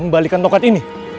membalikan tongkat ini